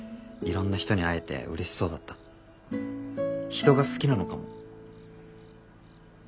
人が好きなのかも。